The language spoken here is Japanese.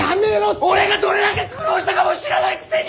俺がどれだけ苦労したかも知らないくせに！